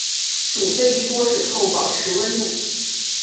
煮沸一锅水后保持温度。